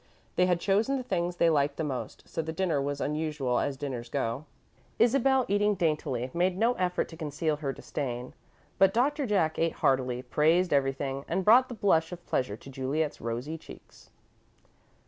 They had chosen the things they liked the most, so the dinner was unusual, as dinners go. Isabel, eating daintily, made no effort to conceal her disdain, but Doctor Jack ate heartily, praised everything, and brought the blush of pleasure to Juliet's rosy cheeks.